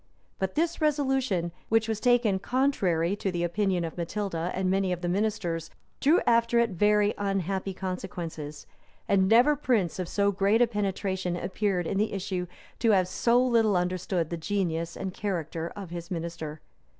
But this resolution, which was taken contrary to the opinion of Matilda, and many of the ministers, drew after it very unhappy consequences; and never prince of so great penetration appeared, in the issue, to have so little understood the genius and character of his minister.